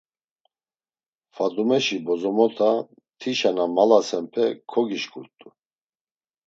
Fadumeşi bozomota, tişa na malasenpe kogişǩurt̆u.